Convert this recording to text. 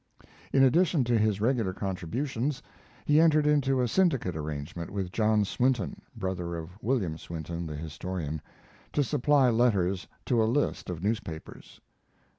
In addition to his regular contributions, he entered into a syndicate arrangement with John Swinton (brother of William Swinton, the historian) to supply letters to a list of newspapers.